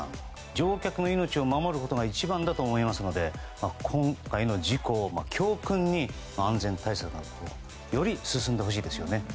乗客の命を守ることが一番だと思いますので今回の事故を教訓に安全対策がより進んでほしいですよね。